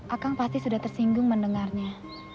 akang pasti sudah tersinggung mendengarnya